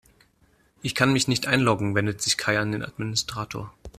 Ich kann mich nicht einloggen, wendet sich Kai an den Administrator.